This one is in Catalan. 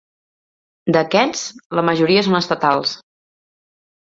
D'aquests, la majoria són estatals.